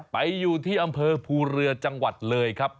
ไปอยู่ที่อำเภอภูเรือจังหวัดเลยครับ